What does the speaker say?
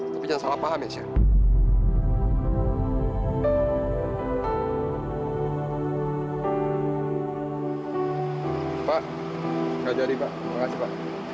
tapi jangan salah paham rasha